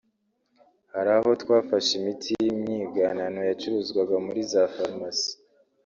“Hari aho twafashe imiti y’imyiganano yacuruzwaga muri za Farumasi